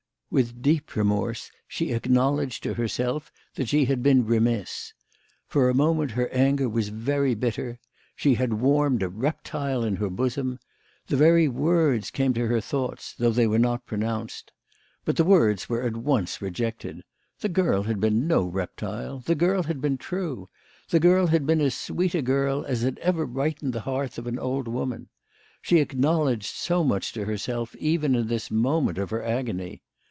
With deep remorse she acknowledged to herself that she had been remiss. For a moment her anger was very bitter. She had warmed a reptile in her bosom. The very words came to her thoughts, though they were not pronounced. But the words were at once rejected. The girl had been no reptile. The girl had been true. The girl had been as sweet a girl as had ever brightened the hearth of an old woman. She acknowledged so much to herself even in this moment of her agony.